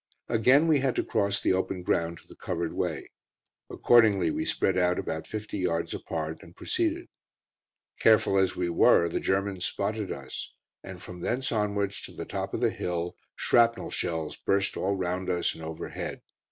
Again we had to cross the open ground to the covered way. Accordingly we spread out about fifty yards apart, and proceeded. Careful as we were, the Germans spotted us, and from thence onwards to the top of the hill shrapnel shells burst all round us and overhead.